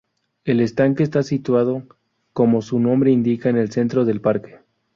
El estanque está situado como su nombre indica en el centro del parque.